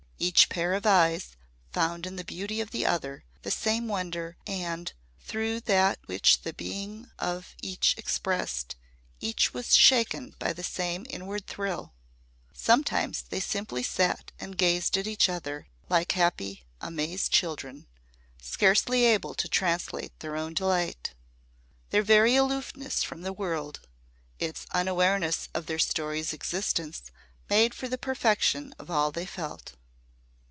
Each pair of eyes found in the beauty of the other the same wonder and, through that which the being of each expressed, each was shaken by the same inward thrill. Sometimes they simply sat and gazed at each other like happy amazed children scarcely able to translate their own delight. Their very aloofness from the world its unawareness of their story's existence made for the perfection of all they felt.